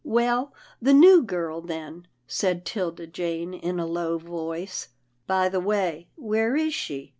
" Well, the new girl, then," said 'Tilda Jane in a low voice. " By the way, where is she